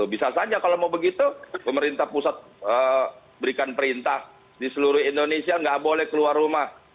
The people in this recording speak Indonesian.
bisa saja kalau mau begitu pemerintah pusat berikan perintah di seluruh indonesia nggak boleh keluar rumah